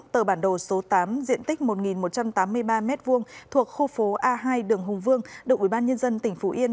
tờ bản đồ số tám diện tích một một trăm tám mươi ba m hai thuộc khu phố a hai đường hùng vương được ủy ban nhân dân tỉnh phú yên